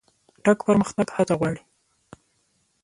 چټک پرمختګ هڅه غواړي.